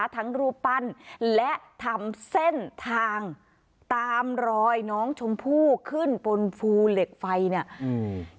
ทั้งรูปปั้นและทำเส้นทางตามรอยน้องชมพู่ขึ้นบนภูเหล็กไฟเนี่ยอืม